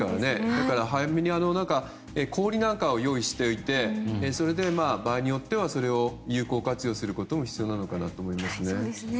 だから早めに氷を用意しておいて場合によってはそれを有効活用することも必要なのかなと思います。